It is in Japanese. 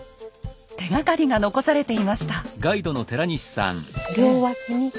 手がかりが残されていました。